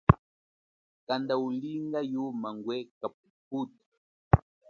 Kanda ulinga yuma ngwe kaphuphuta.